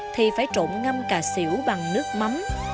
thì phải trộn ngâm cà xỉu bằng nước mắm